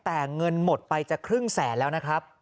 แต่เงินหมดไปจะครึ่งแสนแล้วนะครับ